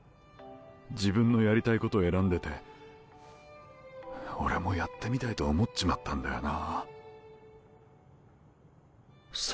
自分のやりたいこと選んでて俺もやってみたいと思っちまったんだよな。